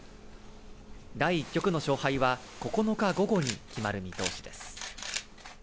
第１局の勝敗は９日午後に決まる見通しです。